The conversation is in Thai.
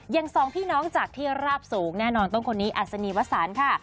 อย่างสองพี่น้องจากที่ราบสูงแน่นอนต้องคนนี้อัศนีวสารค่ะ